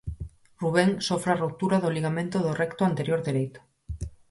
Rubén sofre a rotura do ligamento do recto anterior dereito.